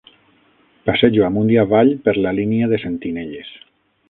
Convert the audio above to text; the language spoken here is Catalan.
Passejo amunt i avall per la línia de sentinelles